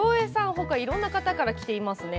ほかにもいろんな方からきています。